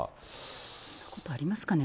そんなことありますかね。